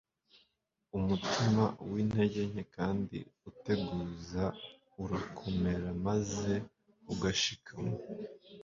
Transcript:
Umutima w'intege nke kandi uteguzaurakomera maze ugashikama.